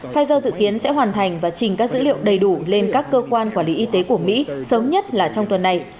pfizer dự kiến sẽ hoàn thành và trình các dữ liệu đầy đủ lên các cơ quan quản lý y tế của mỹ sớm nhất là trong tuần này